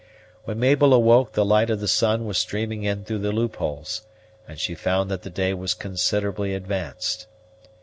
When Mabel awoke the light of the sun was streaming in through the loopholes, and she found that the day was considerably advanced.